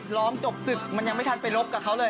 ร้องจบศึกมันยังไม่ทันไปรบกับเขาเลย